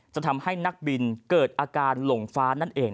จะทำให้นักบินเกิดอาการหลงฟ้านั่นเอง